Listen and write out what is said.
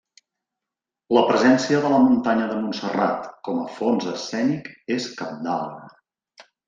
La presència de la muntanya de Montserrat com a fons escènic és cabdal.